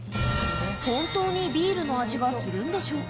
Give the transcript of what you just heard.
本当にビールの味がするんでしょうか。